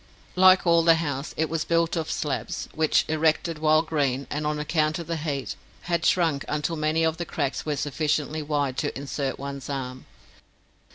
Like all the house, it was built of slabs, which, erected while green, and on account Of the heat, had shrunk until many of the cracks were sufficiently wide to insert one's arm.